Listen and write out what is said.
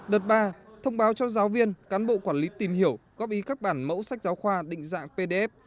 đợt ba thông báo cho giáo viên cán bộ quản lý tìm hiểu góp ý các bản mẫu sách giáo khoa định dạng pdf